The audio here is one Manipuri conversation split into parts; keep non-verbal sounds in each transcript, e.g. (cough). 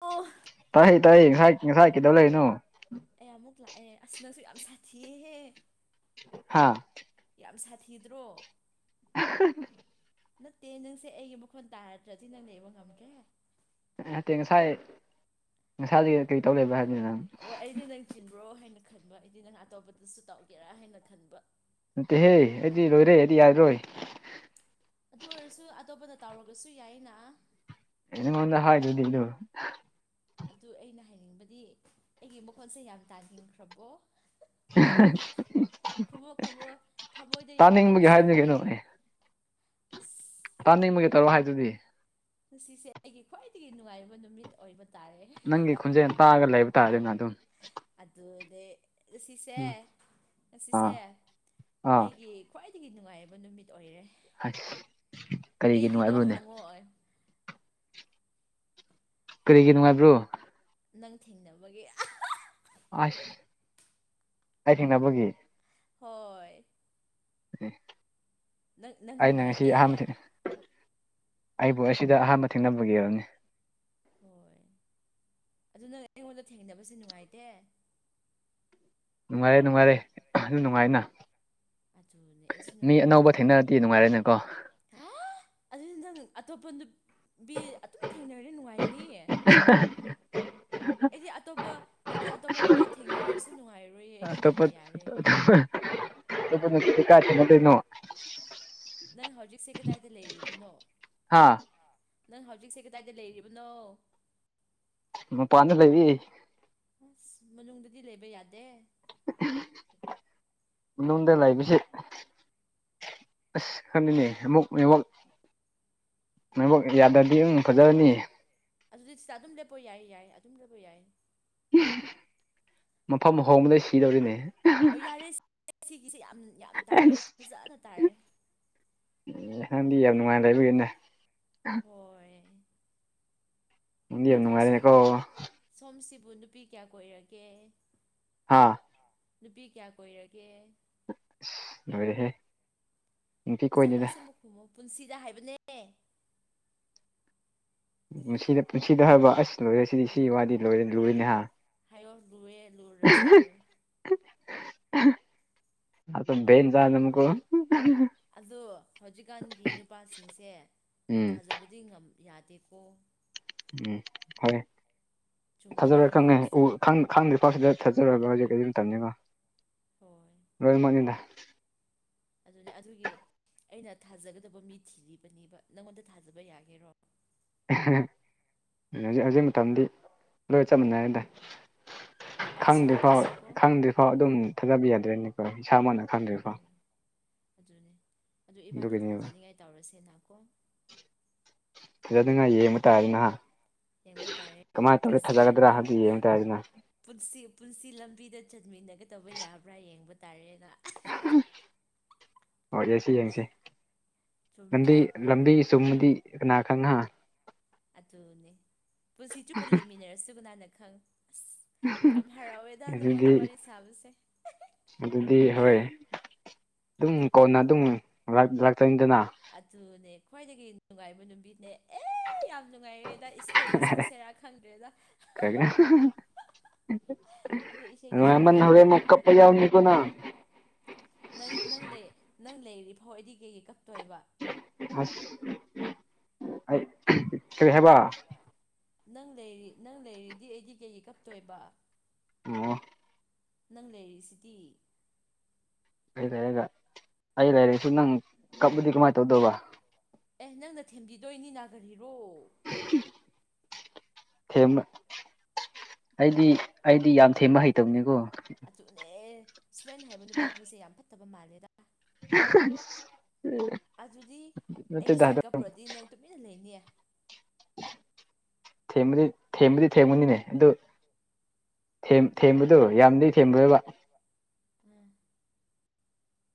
ꯑꯣ ꯇꯥꯏ ꯇꯥꯏ ꯉꯁꯥꯏ ꯉꯁꯥꯏ ꯀꯩꯗꯧ ꯂꯩꯔꯤꯅꯣ ꯑꯩ ꯑꯃꯨꯛ ꯂꯥꯛꯑꯦ ꯑꯁ ꯅꯪꯁꯨ ꯌꯥꯝ ꯁꯥꯊꯤꯌꯦꯍꯦ ꯍꯥꯥ ꯌꯥꯝ ꯁꯥꯊꯤꯗ꯭ꯔꯣ (unintelligible) ꯅꯠꯇꯦ ꯅꯪꯁꯦ ꯑꯩꯒꯤ ꯃꯈꯣꯟ ꯇꯥꯔꯗ꯭ꯔꯗꯤ ꯅꯪ ꯂꯩꯕ ꯉꯝꯒꯦ ꯅꯠꯇꯦ ꯉꯁꯥꯏ ꯉꯁꯥꯏꯗꯒꯤ ꯀꯔꯤ ꯇꯧ ꯂꯩꯕ꯭ꯔ ꯍꯥꯏꯕꯅꯤ ꯅꯪ ꯑꯣ ꯑꯩꯗꯤ ꯅꯪ ꯆꯤꯟꯕ꯭ꯔꯣ ꯍꯥꯏꯅ ꯈꯟꯕ ꯑꯩꯗꯤ ꯅꯪ ꯑꯇꯣꯄꯗꯁꯨ ꯇꯧꯒꯦꯔ ꯍꯥꯏꯅ ꯈꯟꯕ ꯅꯠꯇꯦꯍꯦ ꯑꯩꯗꯤ ꯂꯣꯏꯔꯦ ꯑꯩꯗꯤ ꯌꯥꯒꯤꯔꯣꯏ ꯑꯗꯨ ꯑꯣꯏꯔꯁꯨ ꯑꯇꯣꯞꯄꯗ ꯇꯧꯔꯒꯁꯨ ꯌꯥꯏꯅ ꯅꯪꯉꯣꯟꯗ ꯍꯥꯏꯗꯨꯗꯤꯗꯨ ꯑꯗꯨ ꯑꯩꯅ ꯍꯥꯏꯅꯤꯡꯕꯗꯤ ꯑꯩꯒꯤ ꯃꯈꯣꯟꯁꯦ ꯌꯥꯝ ꯇꯥꯅꯤꯡꯈ꯭ꯔꯕꯣ ꯈꯨꯝꯃꯨ ꯈꯨꯝꯃꯨ ꯊꯃꯣꯏꯗ ꯌꯥꯎꯕꯗꯨ ꯇꯥꯅꯤꯡꯕꯒꯤ ꯍꯥꯏꯕꯅꯤ ꯑꯁꯦꯡꯕꯒꯤ ꯀꯩꯅꯣ ꯑꯦ ꯑꯁ ꯇꯥꯅꯤꯡꯕꯒꯤ ꯇꯧꯔꯣ ꯍꯥꯏꯗꯨꯗꯤ ꯉꯁꯤꯁꯦ ꯑꯩꯒꯤ ꯈ꯭ꯋꯥꯏꯗꯒꯤ ꯅꯨꯡꯉꯥꯏꯕ ꯅꯨꯃꯤꯠ ꯑꯣꯏꯕ ꯇꯥꯔꯦ ꯅꯪꯒꯤ ꯈꯣꯟꯖꯦꯜ ꯇꯥꯔꯒ ꯂꯩꯕ ꯇꯥꯔꯦꯅ ꯑꯗꯨꯝ ꯑꯗꯨꯗꯦ ꯉꯁꯤꯁꯦ ꯎꯝ ꯉꯁꯤꯁꯦ ꯑꯥ ꯑꯥ ꯑꯩꯒꯤ ꯈ꯭ꯋꯥꯏꯗꯒꯤ ꯅꯨꯡꯉꯥꯏꯕ ꯅꯨꯃꯤꯠ ꯑꯣꯏꯔꯦ ꯑꯁ ꯀꯔꯤꯒꯤ ꯀꯩꯒꯤꯅꯣ ꯅꯨꯡꯉꯥꯏꯕ꯭ꯔꯣꯅꯦ ꯍꯪꯉꯣꯏ ꯀꯔꯤꯒꯤ ꯅꯨꯡꯉꯥꯏꯕ꯭ꯔꯣ ꯅꯪ ꯊꯦꯡꯅꯕꯒꯤ ꯑꯥꯏꯁ ꯑꯩ ꯊꯦꯡꯅꯕꯒꯤ ꯍꯣꯏ ꯅꯪ ꯅꯪ ꯑꯩꯅ ꯉꯁꯤ ꯅꯨꯡꯉꯥꯏꯇꯦ ꯑꯍꯥꯟꯕꯗ ꯑꯩꯕꯨ ꯑꯁꯤꯗ ꯑꯍꯥꯟꯕ ꯊꯦꯡꯅꯕꯒꯤ ꯑꯣꯏꯝꯅꯤ ꯍꯣꯏ ꯑꯗꯨ ꯅꯪ ꯑꯩꯉꯣꯟꯗ ꯊꯦꯡꯅꯕꯁꯦ ꯅꯨꯡꯉꯥꯏꯇꯦ ꯅꯨꯡꯉꯥꯏꯔꯦ ꯅꯨꯡꯉꯥꯏꯔꯦ ꯑꯗꯨ ꯅꯨꯡꯉꯥꯏꯅ ꯑꯗꯨꯅꯦ ꯑꯩꯁꯨ ꯃꯤ ꯑꯅꯧꯕ ꯅꯨꯡꯉꯥꯏꯌꯦꯀꯣ ꯊꯦꯡꯅꯔꯗꯤ ꯅꯨꯡꯉꯥꯏꯔꯦꯅꯦꯀꯣ ꯍꯥ ꯑꯗꯨꯗꯤ ꯅꯪ ꯑꯇꯣꯞꯄ ꯅꯨꯞ ꯄꯤ ꯑꯗꯨꯝ ꯊꯦꯡꯅꯔꯗꯤ ꯅꯨꯡꯉꯥꯏꯅꯤ ꯑꯩꯗꯤ ꯑꯇꯣꯞꯄ ꯑꯩꯗꯤ ꯑꯇꯣꯞꯄ ꯅꯨꯄꯥ ꯊꯦꯡꯅꯔꯁꯨ ꯅꯨꯡꯉꯥꯏꯔꯣꯏꯌꯦ ꯑꯩꯗꯤ ꯅꯪꯅ ꯌꯥꯔꯦ ꯑꯗꯨ ꯀꯥꯇꯅ ꯇꯩꯅꯣ (unintelligible) ꯅꯪ ꯍꯧꯖꯤꯛꯁꯦ ꯀꯗꯥꯏꯗ ꯂꯩꯔꯤꯕꯅꯣ ꯍꯥ ꯅꯪ ꯍꯧꯖꯤꯛꯁꯦ ꯀꯗꯥꯏꯗ ꯂꯩꯔꯤꯕꯅꯣ ꯃꯄꯥꯟꯗ ꯂꯩꯔꯤ ꯑꯁ ꯃꯅꯨꯡꯗꯗꯤ ꯂꯩꯕ ꯌꯥꯗꯦ ꯃꯅꯨꯡꯗ ꯂꯩꯕꯁꯤ ꯑꯁ ꯈꯪꯗꯦꯅꯦ ꯑꯃꯨꯛ ꯅꯦꯋꯥꯛ ꯅꯦꯋꯥꯠꯁꯛ ꯌꯥꯗ꯭ꯔꯗꯤ ꯑꯗꯨꯝ ꯐꯖꯔꯅꯤ ꯑꯗꯨꯗꯤ ꯁꯤꯗ ꯑꯗꯨꯝ ꯂꯦꯞꯄꯣ ꯌꯥꯏꯌꯦ ꯌꯥꯏ ꯑꯗꯨꯝ ꯂꯦꯞꯄ ꯌꯥꯏ (unintelligible) ꯃꯐꯝ ꯍꯣꯡꯕꯗꯩ ꯁꯤꯗꯧꯔꯤꯅꯦ ꯑꯣ ꯌꯥꯔꯦ ꯁꯤ ꯁꯤꯒꯤꯁꯦ ꯌꯥꯝ ꯌꯥꯝ ꯇꯥꯔꯦ ꯑꯩ ꯑꯁ ꯐꯖꯅ ꯇꯥꯔꯦ ꯑꯦ ꯅꯪꯗꯤ ꯌꯥꯝ ꯅꯨꯡꯉꯥꯏ ꯂꯩꯕꯒꯤꯅꯦ ꯍꯣꯏ ꯅꯪꯗꯤ ꯌꯥꯝ ꯑꯗꯨ ꯁꯣꯝ ꯅꯨꯡꯉꯥꯏꯔꯦꯅꯦꯀꯣ ꯁꯣꯝꯁꯤꯕꯨ ꯅꯨꯄꯤ ꯀꯌꯥ ꯀꯣꯏꯔꯒꯦ ꯍꯥꯥ ꯅꯨꯄꯤ ꯀꯌꯥ ꯀꯣꯏꯔꯒꯦ ꯂꯣꯏꯔꯦꯍꯦ ꯅꯨꯄꯤ ꯑꯁꯦꯡꯕ ꯀꯣꯏꯗꯦꯗ ꯑꯁꯦꯡꯕ ꯈꯨꯨꯝꯃꯣ ꯄꯨꯟꯁꯤꯗ ꯍꯥꯏꯕꯅꯦ ꯄꯨꯟꯁꯤꯗ ꯄꯨꯟꯁꯤꯗ ꯍꯥꯏꯕ ꯑꯁ ꯂꯣꯏꯔꯁꯤꯗꯤ ꯁꯤ ꯍꯣꯏ ꯋꯥꯗꯤ ꯂꯣꯏꯔꯦ ꯂꯣꯏꯔꯅꯦꯍ ꯍꯥꯏꯌꯣ ꯂꯨꯑꯦ ꯂꯨꯔꯁꯨ ꯍꯥꯏꯌꯣ (unintelligible) ꯑꯗꯨꯝ (unintelligible) ꯆꯝꯀꯣ (unintelligible) ꯑꯗꯣ ꯍꯧꯖꯤꯛꯀꯥꯟꯒꯤ ꯅꯨꯄꯥꯁꯤꯡꯁꯦ ꯎꯝ ꯊꯥꯖꯕꯗꯤ ꯉꯝ ꯌꯥꯗꯦꯀꯣ ꯎꯝ ꯍꯣꯏ ꯆꯨꯝꯗ꯭ꯔꯥ ꯊꯖꯔꯣꯏ ꯑꯩꯅ ꯈꯪꯉꯦ ꯍꯥꯏꯕꯁꯦ (unintelligible) ꯈꯪ ꯈꯥꯡꯗ꯭ꯔꯤꯐꯥꯎ ꯁꯨꯛꯊ ꯊꯥꯖꯔꯣꯏꯒ ꯍꯧꯖꯤꯛ ꯃꯇꯝꯅꯤꯀꯣ ꯍꯣꯏ ꯂꯣꯏꯅꯃꯛꯅꯤꯗ ꯑꯗꯨꯅꯦ ꯑꯗꯨꯒꯤ ꯑꯩꯅ ꯊꯥꯖꯒꯗꯕ ꯃꯤ ꯊꯤꯔꯤꯕꯅꯦꯕ ꯅꯪꯉꯣꯟꯗ ꯊꯥꯖꯕ ꯌꯥꯒꯦꯔꯣ (unintelligible) ꯍꯧꯖꯤꯛ ꯍꯧꯖꯤꯛ ꯃꯇꯝꯗꯤ ꯂꯣꯏ ꯆꯞꯃꯥꯟꯅꯔꯦꯗꯥ ꯅꯨꯄꯥꯁꯨ ꯈꯪꯗ꯭ꯔꯤ ꯐꯥꯎ ꯅꯨꯄꯤꯁꯨ ꯀꯣ ꯈꯪꯗ꯭ꯔꯤ ꯐꯥꯎ ꯑꯗꯨꯝ ꯊꯥꯖꯕ ꯌꯥꯗ꯭ꯔꯦꯅꯤꯀꯣ ꯏꯁꯥꯃꯛꯅ ꯈꯪꯗ꯭ꯔꯤꯐꯥꯎ ꯍꯣꯏ ꯑꯗꯨꯅꯦ ꯑꯗꯨ ꯏꯕꯥꯗꯤ ꯑꯗꯨꯒꯤꯅꯦꯕ ꯊꯥꯖꯅꯤꯡꯉꯥꯏ ꯇꯧꯔꯁꯦꯅꯀꯣ ꯊꯥꯖꯅꯤꯉꯥꯏ ꯌꯦꯡꯕ ꯇꯥꯔꯦꯅ ꯍꯥ ꯌꯦꯡꯕ ꯇꯥꯔꯦꯅ ꯀꯃꯥꯏꯅ ꯇꯧꯔꯒ ꯄꯨꯟꯁꯤ ꯂꯝ ꯊꯥꯖꯒꯗ꯭ꯔꯥ ꯍꯥꯏꯕꯗꯨ ꯌꯦꯡꯕ ꯇꯥꯔꯦꯗꯅ ꯄꯨꯟꯁꯤ ꯄꯨꯟꯁꯤ ꯂꯝꯕꯤꯗ ꯆꯠꯃꯤꯟꯅꯒꯗꯕ ꯌꯥꯕ꯭ꯔꯥ ꯌꯦꯡꯕ ꯇꯥꯔꯦꯅ ꯑꯣ ꯌꯦꯡꯁꯤ ꯌꯦꯡꯁꯤ ꯂꯝꯕꯤ ꯆꯨꯝꯗ꯭ꯔꯥ ꯂꯝꯕꯤ ꯆꯨꯝꯃꯗꯤ ꯀꯅꯥ ꯈꯪ ꯍꯥ ꯑꯗꯨꯅꯦ ꯄꯨꯟꯁꯤ ꯆꯨꯞꯄ ꯂꯩꯃꯤꯟꯅꯔꯁꯨ ꯀꯅꯥꯅ ꯈꯪ ꯑꯁ ꯌꯥꯝ ꯍꯔꯥꯎꯋꯦꯗ ꯅꯪꯉꯣꯟꯗ ꯑꯗꯨꯗꯤ ꯋꯥꯔꯤ ꯁꯥꯕꯁꯦ ꯑꯗꯨꯗꯤ ꯍꯣꯏ ꯑꯗꯨꯝ ꯀꯣꯟꯅ ꯑꯗꯨꯝ ꯂꯥꯛ ꯂꯥꯛꯇꯅꯤꯗꯅ ꯑꯗꯨꯅꯦ ꯈ꯭ꯋꯥꯏꯗꯒꯤ ꯅꯨꯡꯉꯥꯏꯕ ꯅꯨꯄꯤꯅꯦ ꯑꯦ ꯌꯥꯝ ꯅꯨꯡꯉꯥꯏꯔꯦꯗ ꯏꯁ ꯏꯁꯩꯒ ꯁꯛꯁꯦꯔꯥ ꯈꯪꯗ꯭ꯔꯦꯗ ꯀꯥꯏꯅꯥ ꯑꯗꯣ ꯏꯁꯩꯗꯤ ꯁꯛꯄ ꯅꯨꯡꯉꯥꯢꯃꯟ ꯌꯥꯗꯦ ꯍꯧꯔꯦꯃꯨꯛ ꯍꯥꯏ ꯀꯞꯄ ꯌꯥꯎꯅꯤꯀꯣ ꯅꯪ ꯅꯪ ꯅꯪ ꯅꯪ ꯂꯩꯔꯤꯕꯔꯤ ꯐꯥꯎ ꯑꯩꯗꯤ ꯀꯩꯒꯤ ꯀꯞꯇꯣꯏꯕ ꯑꯁ ꯑꯩ ꯀꯔꯤ ꯍꯥꯏꯕ ꯅꯪ ꯂꯩꯔꯤ ꯅꯪ ꯂꯩꯔꯤꯗꯤ ꯑꯩꯗꯤ ꯀꯩꯒꯤ ꯀꯞꯇꯣꯏꯕ ꯑꯣ ꯅꯪ ꯂꯩꯔꯤꯁꯤꯗꯤ ꯑꯩ ꯂꯩꯔꯒ ꯑꯩ ꯂꯩꯔꯁꯨ ꯅꯪ ꯀꯞꯂꯗꯤ ꯀꯃꯥꯏꯅ ꯇꯧꯗꯧꯕ ꯑꯦ ꯅꯪꯅ ꯊꯦꯝꯕꯤꯗꯣꯏꯅꯤ ꯅꯥ ꯀꯔꯤꯔꯣ ꯍꯨꯝ ꯊꯦꯝꯃ ꯑꯩꯗꯤ ꯑꯩꯗꯤ ꯌꯥꯝ ꯊꯦꯝꯃ ꯍꯩꯇꯕꯅꯤꯀꯣ ꯑꯆꯨꯅꯦ ꯏꯁꯄꯦꯟ ꯍꯥꯏꯕ ꯅꯨꯄꯥ ꯈꯣꯏꯁꯦ ꯌꯥꯝ ꯐꯠꯇꯕ ꯃꯥꯜꯂꯦꯗ ꯎꯝ ꯑꯗꯨꯗꯤ ꯑꯩꯁꯦ ꯀꯞꯄ꯭ꯔꯗꯤ ꯅꯪ ꯇꯨꯃꯤꯜ ꯂꯩꯅꯤ ꯊꯦꯝꯕꯗꯤ ꯊꯦꯝꯕꯗꯤ ꯊꯦꯝꯒꯅꯤꯅꯦ ꯑꯗꯨ ꯊꯦꯝ ꯊꯦꯝꯕꯗꯨ ꯌꯥꯝꯗꯤ ꯊꯦꯝꯕ꯭ꯔꯕ ꯑꯥ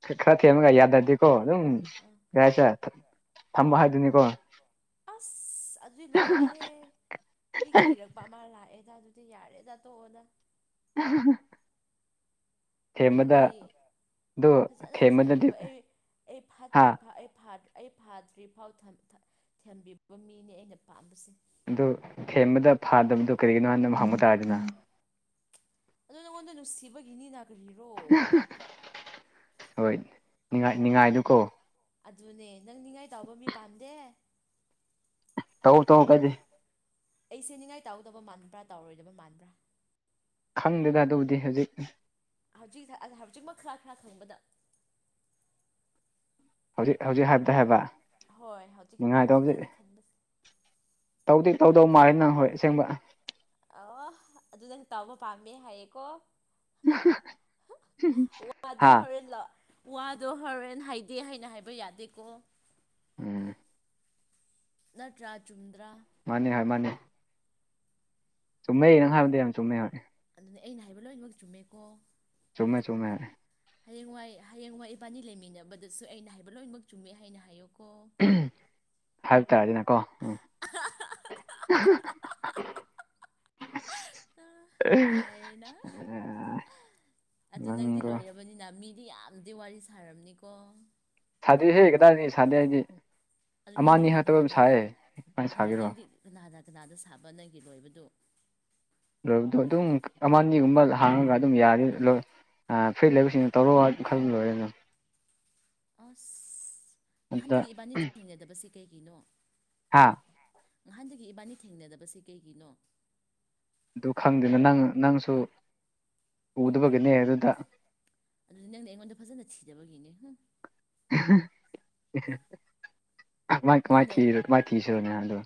ꯈꯈ ꯊꯦꯝꯃꯒ ꯌꯥꯗꯗꯤꯀꯣ ꯑꯗꯨꯝ ꯎꯝ ꯀꯩ ꯍꯥꯏꯁꯦ ꯊꯠ ꯊꯝꯕ ꯍꯥꯏꯗꯨꯅꯤꯀꯣ ꯑꯁ ꯑꯗꯨꯏ ꯂꯣꯏꯔꯦꯍꯦ ꯑꯩꯗꯤ ꯀꯤꯔꯕ__ ꯄꯥ ꯃꯥ ꯂꯥꯛꯑꯦꯗ ꯑꯗꯨꯗꯤ ꯌꯥꯔꯦꯗ ꯇꯣꯛꯑꯣꯗ (unintelligible) ꯊꯦꯝꯕꯗ ꯑꯩꯗꯤ ꯑꯗꯨ ꯐꯖꯅ ꯊꯦꯝꯕꯗꯗꯤ ꯊꯦꯝꯕꯤꯕ ꯑꯩ ꯑꯩ ꯍꯥ ꯐꯥꯠꯇ꯭ꯔꯤꯐꯥ ꯑꯩ ꯐꯥ__ ꯑꯩ ꯐꯥꯗ꯭ꯔꯤ ꯐꯥꯎ ꯊꯝ ꯊ ꯊꯦꯝꯕꯤꯕ ꯃꯤꯅꯦ ꯑꯩꯅ ꯄꯥꯝꯕꯁꯦ ꯑꯗꯨ ꯊꯦꯝꯕꯗ ꯐꯥꯗꯕꯤꯗꯣ ꯀꯔꯤꯒꯤꯅꯣ ꯍꯥꯏꯅ ꯑꯃ ꯍꯪꯕ ꯇꯥꯔꯦꯗꯅ ꯑꯗꯣ ꯅꯪꯉꯣꯟꯗ ꯅꯨꯡꯁꯤꯕꯒꯤꯅꯤ ꯅꯥ ꯀꯔꯤꯔꯣ ꯍꯣꯏ ꯅꯤꯉꯥꯏ ꯅꯤꯡꯉꯥꯏꯗꯨꯀꯣ ꯑꯗꯨꯅꯦ ꯅꯪ ꯅꯤꯡꯉꯥꯏ ꯇꯥꯎꯕ ꯃꯤ ꯄꯥꯝꯗꯦ ꯇꯧ ꯇꯧ ꯐꯩ ꯑꯩꯁꯦ ꯅꯤꯡꯉꯥꯏ ꯇꯥꯎꯗꯕ ꯃꯥꯟꯕ꯭ꯔꯥ ꯇꯥꯎꯔꯣꯏꯗꯕ ꯃꯥꯟꯕ꯭ꯔꯥ ꯈꯪꯗꯦꯗ ꯑꯗꯨꯕꯨꯗꯤ ꯍꯧꯖꯤꯛ ꯑꯨꯝꯍ ꯍꯧꯖꯤꯛꯁꯥ ꯑꯥ ꯍꯧꯖꯤꯛꯃꯛ ꯈꯔ ꯈꯔ ꯈꯪꯕꯗ ꯍꯧꯖꯤꯛ ꯍꯧꯖꯤꯛ ꯍꯥꯏꯕꯗ ꯍꯥꯏꯕ ꯍꯣꯏ ꯍꯧꯖꯤꯛ ꯅꯤꯡꯉꯥꯏ ꯍꯧꯖꯤꯛ ꯇꯧꯕꯗꯤ ꯅꯪꯅ ꯈꯟꯕꯁꯦ ꯇꯧꯗꯤ ꯇꯧꯗꯧ ꯃꯥꯂꯦ ꯅꯪ ꯍꯣꯏ ꯑꯁꯦꯡꯕ ꯑꯣ ꯑꯗꯨ ꯅꯪ ꯇꯧꯕ ꯄꯥꯝꯃꯦ ꯍꯥꯏꯌꯦꯀꯣ ꯋꯥꯖ ꯍꯥ ꯍꯣꯔꯦꯟꯂꯣ ꯋꯥꯗꯣ ꯍꯣꯔꯦꯟ ꯍꯥꯏꯗꯦ ꯍꯥꯏꯅ ꯍꯥꯏꯕ ꯌꯥꯗꯦꯀꯣ ꯎꯝ ꯅꯠꯇ꯭ꯔꯥ ꯆꯨꯝꯗ꯭ꯔꯥ ꯃꯥꯅꯦ ꯍꯥꯏ ꯃꯥꯅꯦ ꯆꯨꯝꯃꯦ ꯅꯪ ꯍꯥꯏꯕꯗ ꯌꯥꯝ ꯆꯨꯝꯃꯦ ꯍꯣꯏ ꯑꯗꯨꯅꯦ ꯑꯩꯅ ꯍꯥꯏꯕ ꯂꯣꯏꯅꯃꯛ ꯆꯨꯝꯃꯦꯀꯣ ꯆꯨꯝꯃꯦ ꯆꯨꯝꯃꯦ ꯍꯌꯦꯡꯋꯥꯏ ꯍꯌꯦꯡꯋꯥꯏ ꯏꯕꯥꯅꯤ ꯂꯩꯃꯤꯟꯅꯕꯗꯁꯨ ꯑꯩꯅ ꯍꯥꯏꯕ ꯂꯣꯏꯅꯃꯛ ꯆꯨꯝꯃꯦ ꯍꯥꯏꯅ ꯍꯥꯏꯌꯨꯀꯣ__ ꯍꯥꯏꯕ ꯇꯥꯔꯦꯅꯀꯣ ꯎꯝ ꯑꯁ ꯇꯥ ꯅꯨꯡꯉꯥꯏꯔꯦꯅ ꯑꯗꯨ ꯅꯪꯗꯤ ꯅꯪꯒꯣ ꯂꯣꯏꯔꯞ__ ꯕꯅꯤꯅ ꯃꯤꯗꯤ ꯌꯥꯝ ꯗꯤ ꯋꯥꯔꯤ ꯁꯥꯔꯝꯅꯤꯀꯣ ꯁꯥꯗꯦ ꯍꯦ ꯀꯗꯥꯏꯗꯒꯤ ꯁꯥꯗꯦ ꯍꯥꯏꯗꯤ ꯑꯗꯨꯗꯤ ꯑꯃ ꯅꯪꯗꯤ ꯑꯅꯤ ꯀꯅꯥꯒ ꯈꯛꯇ ꯁꯅꯥꯗꯣꯏ ꯁꯥꯏꯌꯦ ꯀꯃꯥꯏꯅ ꯑꯗꯨꯗꯤ ꯁꯥꯒꯦꯔꯣ ꯅꯪꯗꯤ ꯀꯅꯥꯅ ꯀꯅꯥꯗ ꯁꯥꯕ ꯅꯪꯒꯤ ꯂꯣꯏꯕꯗꯨ ꯂꯣꯏꯕꯗꯣ ꯑꯗꯨꯝ ꯀꯥ ꯑꯃꯅꯤꯒꯨꯝꯕ ꯂꯥ ꯍꯥꯡꯉꯒ ꯑꯗꯨꯝ ꯌꯥꯅꯤ ꯂꯣꯏ__ ꯑꯥ ꯐ꯭ꯔꯤ ꯂꯩꯕꯁꯤꯡꯅ ꯇꯧꯔꯣꯑꯣ ꯍꯥꯏꯗꯤ ꯈꯜ ꯂꯣꯏꯔꯦꯅꯥ__ ꯑꯁ ꯑꯗꯨꯗ ꯅꯍꯥꯟꯗꯒꯤ ꯏꯕꯥꯅꯤ ꯊꯦꯡꯅꯗꯕꯁꯤ ꯀꯩꯒꯤꯅꯣ ꯍꯥꯥ ꯑ ꯅꯍꯥꯟꯗꯒꯤ ꯏꯕꯥꯅꯤ ꯊꯦꯡꯅꯗꯕꯁꯦ ꯀꯩꯒꯤꯅꯣ ꯑꯗꯨ ꯈꯪꯗꯦꯅ ꯅꯪ ꯅꯪꯁꯨ ꯎꯗꯕꯒꯤꯅꯦ ꯑꯗꯨꯗ ꯑꯗꯨꯗꯤ ꯅꯪꯅ ꯑꯩꯉꯣꯟꯗ ꯐꯖꯅ ꯊꯤꯗꯕꯒꯤꯅꯦ ꯍꯨꯡ ꯀꯃꯥꯏ ꯀꯃꯥꯏ ꯅꯪꯅ ꯊꯤꯔ ꯀꯃꯥꯏ ꯊꯤꯁꯤꯔꯣꯅꯦ ꯍꯥꯗꯣ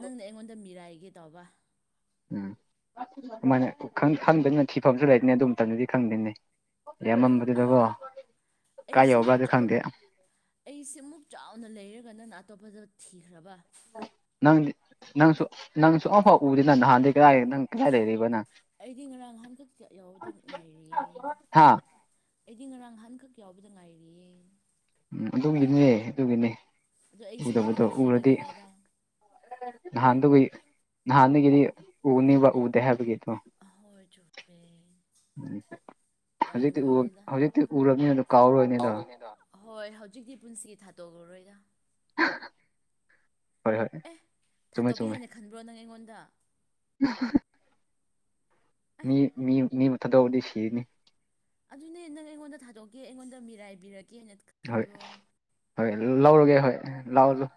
ꯅꯪꯅ ꯑꯩꯉꯣꯟꯗ ꯃꯤꯔꯥꯏꯒꯦ ꯇꯧꯕ ꯎꯝ ꯑꯗꯨꯃꯥꯏꯅ ꯈꯪ ꯈꯪꯗꯦꯅ ꯊꯤꯐꯝꯁꯨ ꯂꯩꯗꯅꯦ ꯑꯗꯨ ꯃꯇꯝꯗꯨꯗꯤ ꯈꯪꯗꯦꯅꯦ ꯑꯦ ꯑꯥ ꯑꯃꯝꯕꯗꯨꯗꯀꯣ ꯀꯥꯏ ꯌꯧꯕ꯭ꯔꯥꯗꯤ ꯈꯪꯗꯦ ꯑꯩꯁꯦ ꯑꯃꯨꯛ ꯆꯥꯎꯅ ꯂꯩꯔꯒ ꯅꯪꯅ ꯑꯇꯣꯞꯄꯗ ꯊꯤꯈ꯭ꯔꯕ ꯅꯪꯗꯤ ꯅꯪꯁꯨ ꯅꯪꯁꯨ ꯑꯃꯐꯥꯎ ꯎꯗꯦꯅ ꯅꯍꯥꯟꯗꯩ ꯀꯔꯥꯏ ꯅꯪ ꯀꯗꯥꯥꯏ ꯂꯩꯔꯤꯕ ꯅꯪ ꯑꯩꯗꯤ ꯉꯔꯥꯡ ꯅꯍꯥꯟ ꯈꯛꯇ ꯌꯧꯗ ꯉꯥꯏꯔꯤꯌꯦ ꯍꯥ ꯑꯩꯗꯤ ꯉꯔꯥꯡ ꯉꯍꯥꯟꯈꯛ ꯌꯥꯎꯕꯗ ꯉꯥꯏꯔꯤꯌꯦ ꯎꯝ ꯑꯗꯨꯒꯤꯅꯤꯅꯦ ꯑꯗꯨꯒꯤꯅꯦ ꯑꯗꯣ ꯑꯩꯁꯨ ꯎꯗꯕꯗꯣ ꯅꯪꯉꯣꯟꯗ ꯎꯔꯗꯤ ꯊꯤꯕꯒꯤꯅꯦꯗ ꯅꯍꯥꯟꯗꯨꯒꯤ ꯅꯍꯥꯟꯗꯒꯤꯗꯤ ꯎꯅꯤꯡꯕ ꯎꯗꯦ ꯍꯥꯏꯕꯒꯤꯗꯣ ꯑꯍꯣꯏ ꯆꯨꯝꯃꯦ ꯎꯝ ꯌꯥꯝ ꯍꯧꯖꯤꯛꯇꯤ ꯎ ꯅꯨꯡꯉꯥꯏꯔꯦꯗ ꯍꯧꯖꯤꯛꯇꯤ ꯎꯔꯝꯅꯤꯅ ꯑꯗꯨ ꯀꯥꯎꯔꯣꯏꯅꯦ ꯑꯗꯣ ꯍꯣꯏ ꯍꯧꯖꯤꯛꯇꯤ ꯄꯨꯟꯁꯤꯒꯤ ꯊꯥꯗꯣꯛꯔꯔꯣꯏꯗ ꯍꯣꯏ ꯍꯣꯏ ꯑꯦꯍ ꯆꯨꯝꯃꯦ ꯊꯥꯗꯣꯛꯀꯦ ꯆꯨꯝꯃꯦ ꯍꯥꯏꯅ ꯈꯟꯕ꯭ꯔꯣ ꯅꯪ ꯑꯩꯉꯣꯟꯗ ꯃꯤ ꯃꯤ ꯃꯤꯕꯨ ꯊꯥꯗꯣꯛꯔꯗꯤ ꯁꯤꯅꯤ ꯑꯗꯨꯅꯦ ꯅꯪ ꯑꯩꯉꯣꯟꯗ ꯊꯥꯗꯣꯛꯀꯦ ꯑꯩꯉꯣꯟꯗ ꯃꯤꯔꯥꯏꯕꯤꯔꯛꯀꯦ ꯍꯥꯏꯅ ꯍꯣꯏ ꯈꯟꯕ꯭ꯔꯣ ꯍꯣꯏ ꯂꯧꯔꯒꯦ ꯍꯣꯏ ꯂꯧꯂꯣ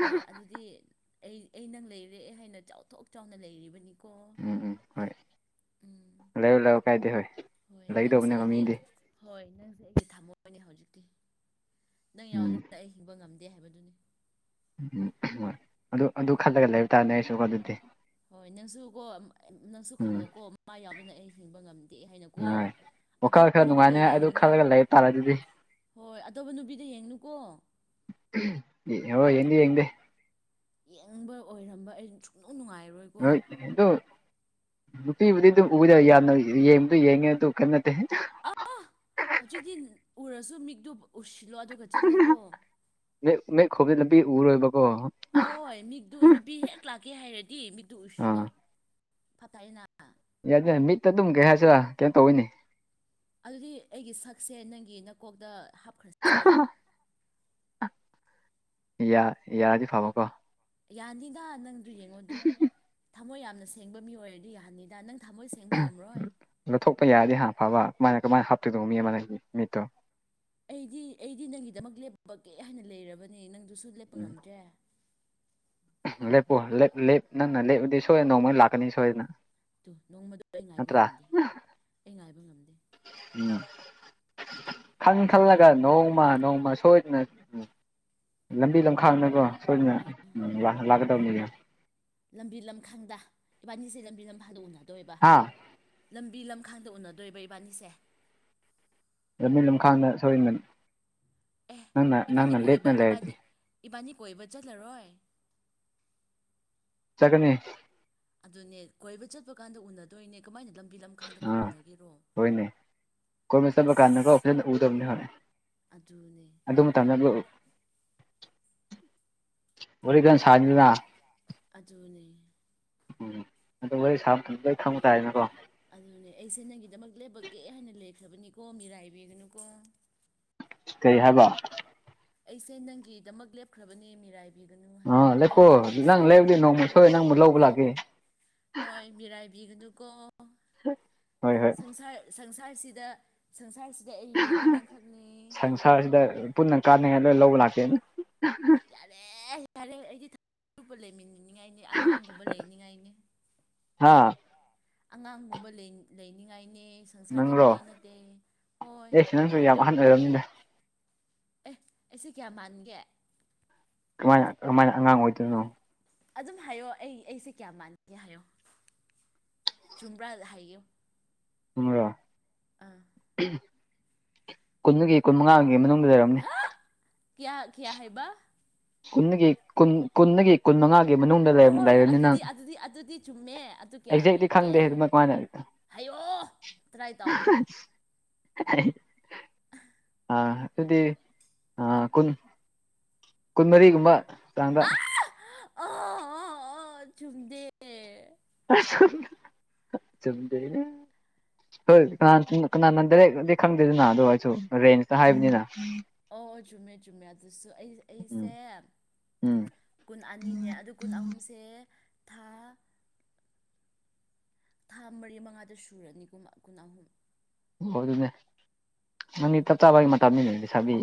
ꯍꯣꯏ ꯑꯗꯨꯗꯤ ꯑꯩ ꯑꯩ ꯅꯪ ꯂꯩꯔꯦ ꯍꯥꯏꯅ ꯆꯥꯎꯊꯣꯛ ꯆꯥꯎꯅ ꯂꯩꯔꯤꯕꯅꯤ ꯎꯝ ꯎꯝ ꯍꯣꯏ ꯎꯝ ꯂꯩꯌꯣ ꯂꯩꯌꯣ ꯀꯥꯏꯗꯦ ꯍꯣꯏ ꯍꯣꯏ ꯅꯪꯁꯦ ꯂꯩꯗꯧꯕꯅꯦ ꯑꯩꯒꯤ ꯃꯃꯤꯡꯗꯤ ꯍꯣꯏ ꯅꯪꯖꯦ ꯑꯩꯒꯤ ꯊꯝꯃꯣꯏꯅꯦ ꯍꯧꯖꯤꯛꯇꯤ ꯅꯪ ꯎꯝ ꯌꯥꯎꯗꯅ ꯑꯩ ꯍꯤꯡꯕ ꯉꯝꯗꯦ ꯍꯥꯏꯕꯗꯨꯅꯤ ꯎꯝ ꯑꯍꯣꯏ ꯑꯗꯨ ꯑꯗꯨ ꯈꯜꯂꯒ ꯍꯣꯏ ꯅꯪꯁꯨ ꯀꯣ ꯑ ꯅꯪꯁꯨ ꯎꯝ ꯈꯜꯂꯣꯀꯣ ꯃꯥ ꯌꯥꯎꯗꯅ ꯑꯩ ꯍꯤꯡꯕ ꯉꯝꯗꯦ ꯍꯥꯏꯅꯀꯣ ꯍꯣꯏ ꯋꯥꯈꯜ ꯑꯇꯣꯞꯄ ꯈꯔ ꯅꯨꯄꯤꯒ ꯅꯨꯡꯉꯥꯏꯅꯤꯉꯥꯏ ꯑꯗꯨ ꯌꯦꯡꯒꯅꯨ ꯈꯜꯂꯒ ꯂꯩꯕ ꯇꯥꯔꯦ ꯑꯗꯨꯗꯤ ꯍꯣꯏ ꯑꯇꯣꯞꯄ ꯅꯨꯄꯤꯗ ꯌꯦꯡꯅꯨꯀꯣ ꯍꯣꯏ ꯌꯦꯡꯗꯦ ꯌꯦꯡꯗꯦ ꯌꯦꯡꯕ ꯑꯣꯏꯔꯝꯕ ꯑꯩ ꯁꯨꯡꯅꯨꯡ ꯅꯨꯡꯉꯥꯏꯔꯣꯏ ꯍꯣꯏꯠ ꯑꯗꯨ ꯅꯨꯄꯤꯕꯨꯗꯤ ꯑꯗꯨꯝ ꯎꯕꯗ ꯌꯥꯝꯅ ꯌꯦꯡꯕꯨꯗꯤ ꯌꯦꯡꯉꯦ ꯑꯗꯨ ꯀꯦꯝ ꯅꯠꯇꯦ ꯑꯥꯍ ꯍꯧꯖꯤꯛꯇꯤ ꯎꯔꯁꯨ ꯃꯤꯛꯇꯣ ꯎꯨꯏꯁꯤꯜꯂꯣ ꯑꯗꯨꯒ ꯆꯠꯂꯣꯀꯣ ꯃꯤꯠ ꯃꯤꯠ ꯈꯨꯝꯕꯅꯤ ꯂꯝꯕꯤ ꯎꯔꯣꯏꯕꯀꯣ ꯍꯣꯏ ꯃꯤꯠꯗꯨ ꯅꯨꯄꯤ ꯍꯦꯛ ꯂꯥꯛꯀꯦ ꯍꯥꯏꯔꯗꯤ ꯃꯤꯠꯗꯨ ꯎꯨꯏꯁꯤꯜꯂꯣ ꯑꯥ ꯐꯠꯇꯥꯏꯅ ꯌꯥꯗꯦ ꯃꯤꯠꯇ ꯑꯗꯨꯝ ꯀꯩ ꯍꯥꯏꯁꯤꯔꯥ ꯀꯩꯅꯣ ꯇꯧꯋꯤꯅꯦ ꯑꯗꯨꯗꯤ ꯑꯩꯒꯤ ꯁꯛꯁꯦ ꯅꯪꯒꯤ ꯅꯀꯣꯛꯇ ꯍꯥꯞꯈ꯭ꯔꯁꯤꯔꯥ ꯌꯥ ꯌꯥꯔꯗꯤ ꯐꯕꯀꯣ ꯌꯥꯅꯤꯗꯥ ꯅꯪꯗꯨ ꯌꯦꯡꯉꯣꯗꯨ ꯊꯝꯃꯣꯏ ꯌꯥꯝꯅ ꯁꯦꯡꯕ ꯃꯤ ꯑꯣꯏꯔꯗꯤ ꯌꯥꯍꯟꯅꯤꯗ ꯅꯪ ꯊꯝꯃꯣꯏ ꯁꯦꯡꯕ ꯉꯝꯔꯣꯏ ꯂꯧꯊꯣꯛꯄ ꯌꯥꯔꯗꯤ ꯍꯥꯞ ꯐꯕ ꯃꯥꯅ ꯀꯃꯥꯏ ꯍꯥꯞꯇꯣꯏꯅꯣ ꯃꯤ ꯑꯃꯅ ꯃꯤꯠꯇꯣ ꯑꯩꯗꯤ ꯑꯩꯗꯤ ꯅꯪꯒꯤꯗꯃꯛ ꯂꯦꯞꯄꯒꯦ ꯍꯥꯏꯅ ꯂꯩꯔꯕꯅꯦ ꯅꯪꯗꯨꯁꯨ ꯂꯦꯞꯄ ꯉꯝꯗ꯭ꯔꯦ ꯂꯦꯞꯄꯨ ꯂꯦꯞ ꯂꯦꯞ ꯅꯪꯅ ꯂꯦꯞꯄꯗꯤ ꯁꯣꯏ ꯅꯣꯡꯃꯩ ꯂꯥꯛ ꯗꯨ ꯅꯣꯡꯃꯗ ꯑꯩ ꯉꯥꯏꯕ ꯅꯠꯇ꯭ꯔꯥ ꯉꯝꯗꯦ ꯑꯩ ꯉꯥꯏꯕ ꯉꯝꯗꯦ ꯎꯝ ꯈꯪ ꯈꯜꯂꯒ ꯅꯣꯡꯃ ꯅꯣꯡꯃ ꯁꯣꯏ ꯎꯝ ꯂꯝꯕꯤ ꯂꯝꯈꯥꯡꯗꯀꯣ ꯁꯣꯏꯗꯅ ꯎꯝ ꯂꯥꯛꯀꯗꯕꯅꯤꯗ ꯂꯝꯕꯤ ꯂꯝꯈꯥꯡꯗ ꯏꯕꯥꯅꯤꯁꯦ ꯂꯝꯕꯤ ꯂꯝꯈꯥꯡꯗ ꯎꯅꯗꯣꯏꯕ ꯍꯥꯥ ꯍꯥ ꯂꯝꯕꯤ ꯂꯝꯈꯥꯡꯗ ꯎꯅꯗꯣꯏꯕ ꯏꯕꯥꯅꯤꯁꯦ ꯂꯝꯕꯤ ꯂꯝꯈꯥꯡꯗ ꯁꯣꯏꯅ ꯑꯦ ꯅꯪꯅ ꯏꯕꯥꯅꯤ ꯅꯪꯅ ꯂꯦꯞꯅ ꯀꯣꯏꯕ ꯂꯩꯔꯗꯤ ꯏꯕꯥꯅꯤ ꯏꯕꯥꯅꯤ ꯀꯣꯏꯕ ꯆꯠꯂꯔꯣꯏ ꯆꯠꯀꯅꯤ ꯑꯗꯨꯅꯦ ꯀꯣꯏꯕ ꯆꯠꯄ ꯀꯥꯟꯗ ꯎꯅꯗꯣꯏꯅꯦ ꯀꯃꯥꯏꯅ ꯂꯝꯕꯤ ꯂꯝꯈꯥꯡꯗꯀ ꯑꯥ ꯎꯅꯒꯦꯔꯣ ꯍꯣꯏꯅꯦ ꯀꯣꯏꯕ ꯆꯠꯄ ꯀꯥꯟꯗꯀꯣ ꯑꯁ ꯑꯃꯨꯛ ꯍꯦꯟꯅ ꯎꯗꯕꯅꯦ ꯍꯣꯏ ꯑꯗꯨꯅꯦ ꯑꯗꯨ ꯃꯇꯝꯗ ꯑꯗꯨ ꯋꯥꯔꯤ ꯀꯟ ꯁꯥꯅꯤꯗꯅ (unintelligible) ꯑꯗꯨꯅꯦ ꯎꯝ ꯑꯗꯣ ꯋꯥꯔꯤ ꯁꯥꯕ ꯃꯇꯝꯗ ꯂꯣꯏ ꯈꯪꯕ ꯇꯥꯥꯏꯗꯅꯀꯣ ꯑꯗꯨꯅꯦ ꯑꯩꯁꯦ ꯅꯪꯒꯤꯗꯃꯛ ꯂꯦꯞꯄꯒꯦ ꯍꯥꯏꯅ ꯂꯩꯈ꯭ꯔꯕꯅꯤꯀꯣ ꯃꯤꯔꯥꯏꯕꯤꯒꯅꯨꯀꯣ ꯀꯩ ꯍꯥꯏꯕ ꯕꯥ ꯑꯩꯁꯦ ꯅꯪꯒꯤꯗꯃꯛ ꯂꯦꯞꯈ꯭ꯔꯕꯅꯦ ꯃꯤꯔꯥꯏꯕꯤꯒꯅꯨ ꯍꯥꯏꯕ ꯑꯥ ꯂꯦꯞꯄꯣ ꯑꯩꯒꯤ ꯊꯃꯣꯏꯁꯦ (unintelligible) ꯅꯣꯡꯃ ꯁꯣꯏ ꯅꯪꯕꯨ ꯂꯧꯕ ꯂꯥꯛꯀꯦ ꯍꯣꯏ ꯃꯤꯔꯥꯏꯕꯤꯒꯅꯨꯀꯣ ꯍꯥ ꯁꯪꯁꯥꯔ ꯁꯪꯁꯥꯔꯁꯤꯗ ꯁꯪꯁꯥꯔꯁꯤꯗ ꯑꯩꯒꯤꯗꯤ ꯅꯪꯈꯛꯅꯦ ꯆꯠꯆꯗ ꯄꯨꯟꯅ ꯀꯥꯟꯅꯤꯉꯥꯏꯗꯣ ꯂꯧꯕ ꯂꯥꯛꯀꯦꯅ ꯌꯥꯔꯦ ꯌꯥꯔꯦ ꯑꯩꯗꯤ (unintelligible) ꯂꯩꯃꯤꯟ ꯂꯩꯅꯤꯡꯉꯥꯏꯅꯤ ꯑꯉꯥꯡꯒꯨꯝꯕ ꯂꯩꯅꯤꯡꯉꯥꯏꯅꯤ ꯍꯥ ꯑꯥ ꯑꯉꯥꯡꯒꯨꯝꯕ ꯂꯩ ꯂꯩꯅꯤꯡꯉꯥꯏꯅꯦ ꯁꯪꯁꯥꯔ ꯅꯪꯔꯣ ꯆꯠꯅꯤꯡꯉꯥꯏ ꯅꯠꯇꯦ ꯍꯣꯏ ꯑꯦ ꯅꯪꯁꯨ ꯌꯥꯝ ꯑꯍꯟ ꯑꯣꯏꯔꯕꯅꯤꯗ ꯑꯦ ꯑꯩꯁꯦ ꯀꯌꯥ ꯃꯥꯟꯒꯦ ꯀꯃꯥꯏꯅ ꯀꯃꯥꯏꯅ ꯑꯉꯥꯡ ꯑꯣꯏꯗꯣꯏꯅꯣ ꯑꯗꯨꯝ ꯍꯥꯏꯌꯣ ꯑꯩ ꯑꯩꯁꯦ ꯀꯌꯥ ꯃꯥꯟꯒꯦ ꯍꯥꯏꯌꯣ ꯆꯨꯝꯕ꯭ꯔꯥ ꯍꯥꯏꯌꯨ ꯇꯨꯝꯃꯣꯔꯣ ꯑꯥ ꯑꯍꯝ ꯀꯨꯟꯗꯒꯤ ꯀꯨꯟꯃꯉꯥꯒꯤ ꯃꯅꯨꯡꯗ ꯂꯩꯔꯝꯅꯤ ꯍꯥ ꯀꯌꯥ ꯀꯌꯥ ꯍꯥꯏꯕ ꯀꯨꯟꯗꯒꯤ ꯀꯨꯟ ꯀꯨꯟꯗꯒꯤ ꯀꯨꯟ ꯃꯉꯥ ꯍꯣꯏ ꯍꯣꯏ ꯍꯣꯏ ꯑꯗꯨꯗꯤ ꯑꯗꯨꯗꯤ ꯑꯗꯨꯗꯤ ꯆꯨꯝꯃꯦ ꯑꯗꯨ ꯀꯌꯥ ꯑꯦꯛꯖꯦꯛꯇꯤ ꯑꯣꯏꯒꯦ ꯈꯪꯗꯦ ꯍꯥꯏꯌꯣ ꯑꯗꯨꯃꯥꯏ ꯀꯃꯥꯏꯅ ꯍꯥꯏꯌꯣ ꯇꯔꯥꯏ ꯇꯧꯒꯅꯨ (unintelligible) ꯑꯥ ꯑꯗꯨꯗꯤ ꯑꯥ ꯀꯨꯟ ꯀꯨꯟꯃꯔꯤꯒꯨꯝꯕ ꯆꯥꯡꯗ ꯑꯣ ꯑꯣ ꯑꯣ ꯆꯨꯝꯗꯦ ꯑꯦ ꯑꯁ ꯆꯨꯝꯗꯦꯌꯦ ꯍꯣꯏ ꯀꯅꯥ ꯆꯨꯝ ꯀꯅꯥꯅ ꯗꯥꯏꯔꯦꯛꯗꯤ ꯈꯪꯗꯦꯗꯅ ꯑꯗꯨ ꯑꯩꯁꯨ ꯔꯦꯟꯖꯇ ꯍꯥꯏꯕꯅꯤꯅ ꯑꯣ ꯑꯣ ꯆꯨꯝꯃꯦ ꯆꯨꯝꯃꯦ ꯑꯗꯨꯁꯨ ꯑꯩ ꯎꯝ ꯑꯩꯁꯦ ꯎꯝ ꯀꯨꯟ ꯑꯅꯤꯅꯦ ꯑꯗꯨ ꯀꯨꯟ ꯑꯍꯨꯝꯁꯦ ꯊꯥ ꯊꯥ ꯃꯔꯤ ꯃꯉꯥꯗꯤ ꯁꯨꯔꯅꯤ ꯀꯨꯝ ꯀꯨꯟ ꯑꯍꯨꯝ ꯑꯣ ꯑꯗꯨꯅꯦ ꯅꯪꯗꯤ ꯎꯝ ꯆꯛ ꯆꯥꯕꯒꯤ ꯃꯇꯝꯅꯤꯅꯦ ꯂꯩꯁꯥꯕꯤ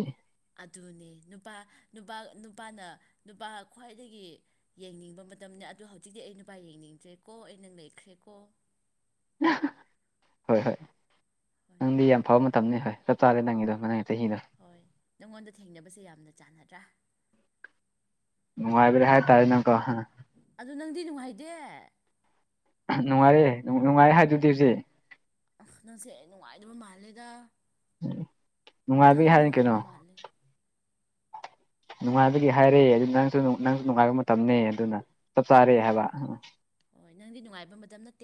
ꯑꯗꯨꯅꯦ ꯅꯨꯄꯥ ꯅꯨꯄꯥ ꯅꯨꯄꯥꯅ ꯅꯨꯄꯥ ꯈ꯭ꯋꯥꯏꯗꯒꯤ ꯌꯦꯡꯅꯤꯡꯕ ꯃꯇꯝꯅꯦ ꯑꯗꯣ ꯍꯧꯖꯤꯛꯇꯤ ꯑꯩ ꯅꯨꯄꯥ ꯌꯦꯡꯅꯤꯡꯗ꯭ꯔꯦꯀꯣ ꯑꯩꯅ ꯅꯪ ꯅꯩꯈ꯭ꯔꯦꯀꯣ ꯍꯣꯏ ꯍꯣꯏ ꯍꯣꯏ ꯅꯪꯗꯤ ꯌꯥꯝ ꯐꯕ ꯃꯇꯝꯅꯦ ꯍꯣꯏ ꯆꯞ ꯆꯥꯔꯦ ꯅꯪꯒꯤꯗꯣ ꯅꯪꯒꯤ ꯆꯍꯤꯗꯣ ꯍꯣꯏ ꯅꯪꯉꯣꯟꯗ ꯊꯦꯡꯅꯕꯁꯦ ꯌꯥꯝꯅ ꯆꯥꯟꯅꯗ꯭ꯔꯥ ꯃꯅꯨꯡꯉꯥꯏꯕꯅꯦ ꯍꯥꯏ ꯇꯥꯔꯦ ꯅꯪꯀꯣ ꯑꯗꯨ ꯅꯪꯗꯤ ꯅꯨꯡꯉꯥꯏꯇꯦ ꯅꯨꯡꯉꯥꯏꯔꯦ ꯅꯨꯡꯉꯥꯏꯔꯦ ꯍꯥꯏꯗꯨꯗꯤ ꯍꯧꯖꯤꯛ ꯑꯁ ꯅꯪꯁꯦ ꯅꯨꯡꯉꯥꯏꯗꯕ ꯃꯥꯜꯂꯦꯗ ꯅꯨꯡꯉꯥꯏꯕꯒꯤ ꯏꯊꯟꯇ ꯍꯥꯏꯔꯅꯤ ꯅꯨꯡꯉꯥꯏꯕ ꯀꯩꯅꯣ ꯃꯥꯜꯂꯦ ꯅꯨꯡꯉꯥꯏꯕꯒꯤ ꯍꯥꯏꯔꯦ ꯑꯗꯨ ꯅꯪꯁꯨ ꯅꯪꯁꯨ ꯅꯨꯡꯉꯥꯏꯕ ꯃꯇꯝꯅꯦ ꯑꯗꯨꯅ ꯆꯞ ꯆꯥꯔꯦ ꯍꯥꯏꯕ ꯍꯣꯏ ꯍꯣꯏ ꯅꯪꯗꯤ ꯅꯨꯡꯉꯥꯏꯕ ꯃꯇꯝ ꯅꯠꯇꯦ